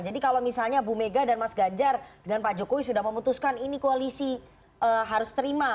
jadi kalau misalnya bu mega dan mas ganjar dengan pak jokowi sudah memutuskan ini koalisi harus terima